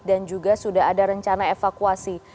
dan juga sudah ada rencana evakuasi